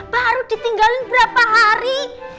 baru ditinggalin berapa hari